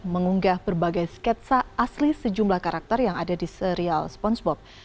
mengunggah berbagai sketsa asli sejumlah karakter yang ada di serial spongebob